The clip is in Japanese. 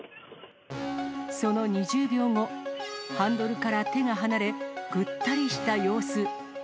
その２０秒後、ハンドルから手が離れ、ぐったりした様子。